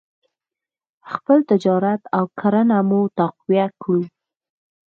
خپل تجارت او کرنه مو تقویه کړو.